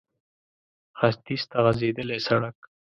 ختيځ ته غځېدلی سړک